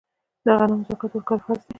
د غنمو زکات ورکول فرض دي.